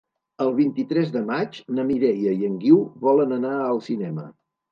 El vint-i-tres de maig na Mireia i en Guiu volen anar al cinema.